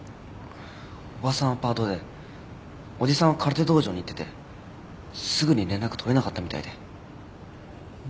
おばさんはパートでおじさんは空手道場に行っててすぐに連絡取れなかったみたいで。